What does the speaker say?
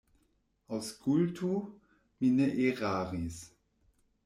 Aŭskultu; mi ne eraris.